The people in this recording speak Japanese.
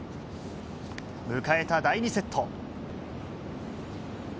迎えた第２セット。